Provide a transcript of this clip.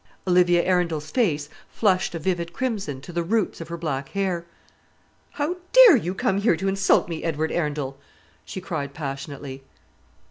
Olivia Arundel's face flushed a vivid crimson to the roots of her black hair. "How dare you come here to insult me, Edward Arundel?" she cried passionately.